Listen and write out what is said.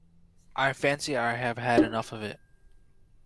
I fancy I have had enough of it.